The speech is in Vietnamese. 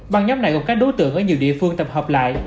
băng nhóm này gồm các đối tượng ở nhiều địa phương tập hợp lại